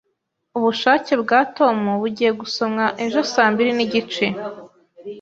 Ubushake bwa Tom bugiye gusomwa ejo saa mbiri nigice